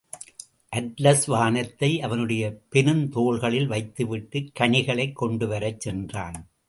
Atlas வானத்தை அவனுடைய பெருந்தோள்களில் வைத்துவிட்டுக் கனிகளைக் கொண்டுவரச் சென்றான்.